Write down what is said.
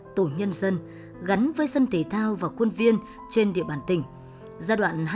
tổ nhân dân gắn với sân thể thao và quân viên trên địa bàn tỉnh giai đoạn hai nghìn một mươi sáu hai nghìn hai mươi